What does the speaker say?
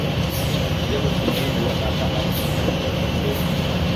Dia mempunyai dua kakak laki-laki, John dan Barry.